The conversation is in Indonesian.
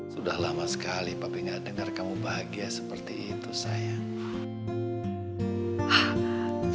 sudah lama sekali apabila dengar kamu bahagia seperti itu sayang